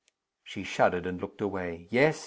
She shuddered, and looked away. "Yes!